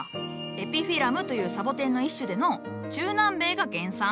エピフィラムというサボテンの一種でのう中南米が原産。